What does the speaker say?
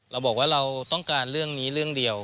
เราบอกว่าเราต้องการเรื่องนี้เรื่องเดียว